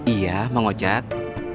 iya pak ustadz